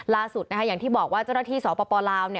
อย่างที่บอกว่าเจ้าหน้าที่สปลาว